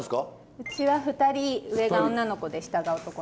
うちは２人上が女の子で下が男の子です。